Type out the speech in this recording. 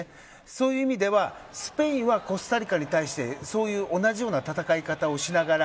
そういう意味ではスペインやコスタリカに対して同じような戦い方をしながら